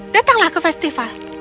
datanglah ke festival